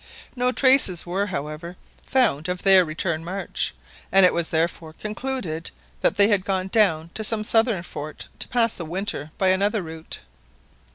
No traces were, however, found of their return march, and it was therefore concluded that they had gone down to some southern fort to pass the winter by another route.